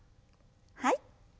はい。